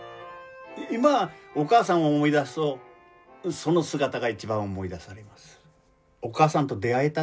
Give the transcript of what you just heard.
今お母さんを思い出すとその姿が一番思い出されます。